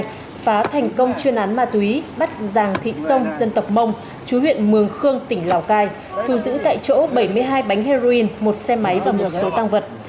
đã phá thành công chuyên án ma túy bắt giàng thị sông dân tộc mông chú huyện mường khương tỉnh lào cai thu giữ tại chỗ bảy mươi hai bánh heroin một xe máy và một số tăng vật